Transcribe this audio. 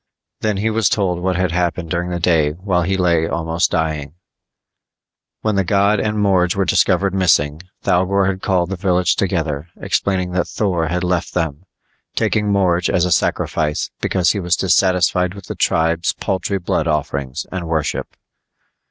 Then he was told what had happened during the day while he lay almost dying: When the god and Morge were discovered missing, Thougor had called the village together, explaining that Thor had left them, taking Morge as a sacrifice because he was dissatisfied with the tribe's paltry blood offerings and worship.